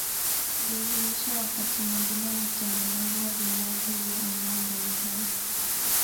viazi lishe wakati mwingine hutengenezwa vinywaji vya aina mbalimbali